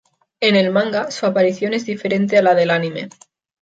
En el manga, su aparición es diferente a la del anime.